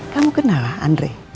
kamu kenal andre